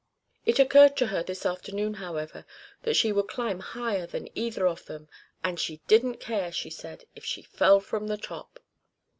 It occurred to her this afternoon, however, that she would climb higher than either of them; and she didn't care, she said, if she fell from the top.